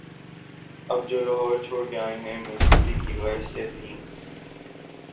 اب جو لاہور چھوڑ کے آئے ہیں، مزدوری کی غرض سے تین